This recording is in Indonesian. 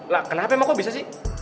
lah kenapa emang kok bisa sih